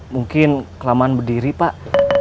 mungkin kelamaan berdiri pak